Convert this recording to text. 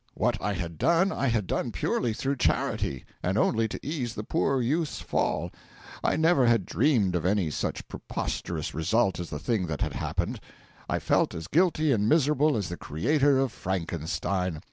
What I had done I had done purely through charity, and only to ease the poor youth's fall I never had dreamed of any such preposterous result as the thing that had happened. I felt as guilty and miserable as the creator of Frankenstein.